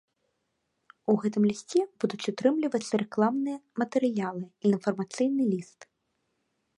У гэтым лісце будуць утрымлівацца рэкламныя матэрыялы і інфармацыйны ліст.